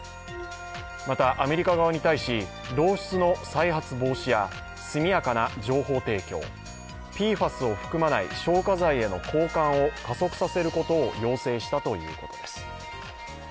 またアメリカ側に対し、漏出の再発防止や、速やかな情報提供、ＰＦＡＳを含まない消火剤への交換を加速させることを要請したということです。